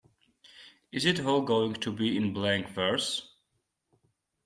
Is it all going to be in blank verse?